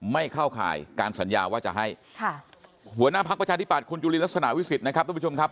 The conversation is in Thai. ไม่เข้าข่ายการสัญญาว่าจะให้หัวหน้าภาคประชาธิปัตย์คุณจุลีลักษณะวิสิทธิ์นะครับ